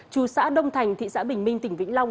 trù xã đông thành thị xã bình minh tỉnh vĩnh long